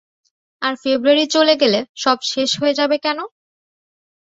আর ফেব্রুয়ারি চলে গেলে সব শেষ হয়ে যাবে কেন?